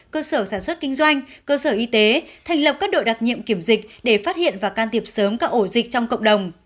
cơ sở sản xuất kinh doanh cơ sở y tế thành lập các đội đặc nhiệm kiểm dịch để phát hiện và can thiệp sớm các ổ dịch trong cộng đồng